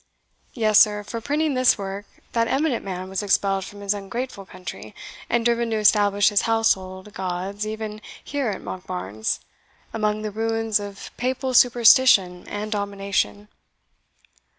Yes, sir for printing this work, that eminent man was expelled from his ungrateful country, and driven to establish his household gods even here at Monkbarns, among the ruins of papal superstition and domination.